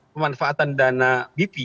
pemanfaatan dana bp